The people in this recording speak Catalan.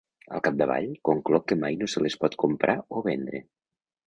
Al capdavall, concloc que mai no se les pot comprar o vendre.